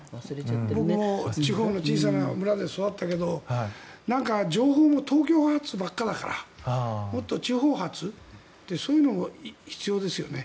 僕も地方の小さな村で育ったけど情報も東京発ばっかりだからもっと地方発でそういうのも必要ですよね。